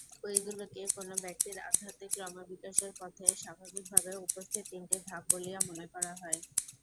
এগুলিকে কোন ব্যক্তির আধ্যাত্মিক ক্রমবিকাশের পথে স্বভাবিকভাবে উপস্থিত তিনটি ধাপ বলিয়া মনে করা হয়।